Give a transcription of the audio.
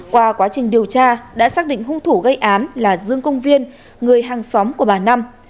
qua quá trình điều tra đã xác định hung thủ gây án là dương công viên người hàng xóm của bà năm